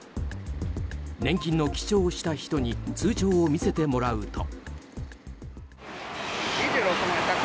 年金の記帳をした人に通帳を見せてもらうと。